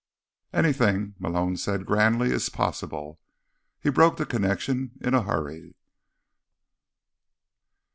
"Anything," Malone said grandly, "is possible." He broke the connection in a hurry.